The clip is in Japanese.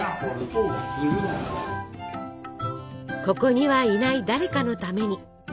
ここにはいない誰かのために。